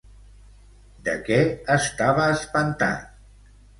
De què estava espantat?